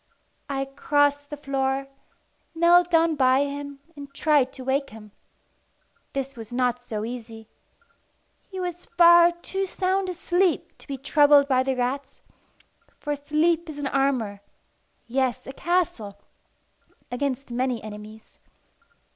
I crossed the floor, knelt down by him, and tried to wake him. This was not so easy. He was far too sound asleep to be troubled by the rats; for sleep is an armour yes, a castle against many enemies.